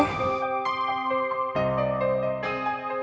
kalo memang bener elsa melihat foto roy